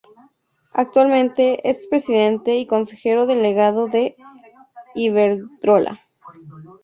Actualmente es presidente y consejero delegado de Iberdrola.